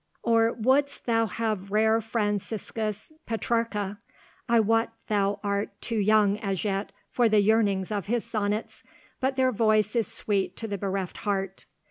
"Or wouldst thou have rare Franciscus Petrarca? I wot thou art too young as yet for the yearnings of his sonnets, but their voice is sweet to the bereft heart."